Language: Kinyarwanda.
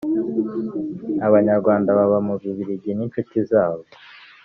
Abanyarwanda baba mu Bubiligi n’inshuti zabo